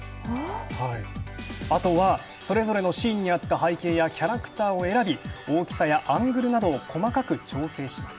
あとは、それぞれのシーンにあった背景やキャラクターを選び大きさやアングルなどを細かく調整します。